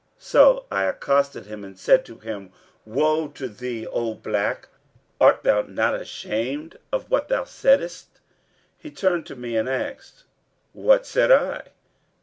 So I accosted him and said to him, 'Woe to thee, O black, art thou not ashamed of what thou saidst?' He turned to me and asked, 'What said I?'